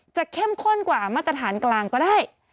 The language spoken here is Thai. เข้มข้นกว่ามาตรฐานกลางก็ได้